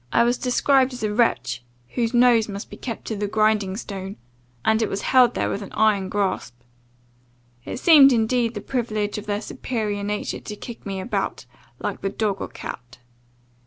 I was described as a wretch, whose nose must be kept to the grinding stone and it was held there with an iron grasp. It seemed indeed the privilege of their superior nature to kick me about, like the dog or cat.